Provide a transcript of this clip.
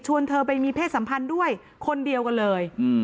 เธอไปมีเพศสัมพันธ์ด้วยคนเดียวกันเลย